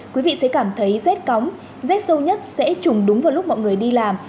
quý vị sẽ cảm thấy rét cóng rét sâu nhất sẽ trùng đúng vào lúc mọi người đi làm